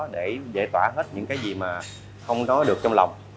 để giải tỏa hết những cái gì mà không nói được trong lòng